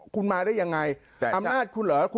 คุณมาได้ยังไงอำนาจคุณเหรอ